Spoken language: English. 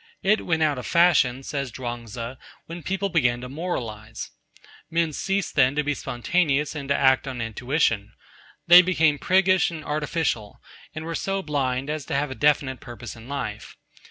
It went out of fashion, says Chuang Tzu, when people began to moralise. Men ceased then to be spontaneous and to act on intuition. They became priggish and artificial, and were so blind as to have a definite purpose in life.